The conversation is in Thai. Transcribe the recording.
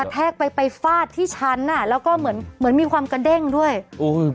แทกไปไปฟาดที่ชั้นอ่ะแล้วก็เหมือนเหมือนมีความกระเด้งด้วยโอ้ย